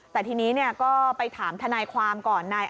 แต่ทีนี้ก็ไปถามทนายความก่อน